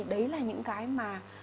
đấy là những cái mà